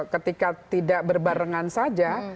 ketika tidak berbarengan saja